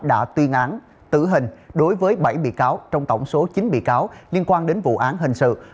đã tuyên án tử hình đối với bảy bị cáo trong tổng số chín bị cáo liên quan đến vụ án hình sự